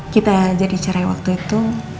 kita jadi cerai waktu itu